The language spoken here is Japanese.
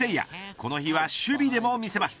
この日は守備でも見せます。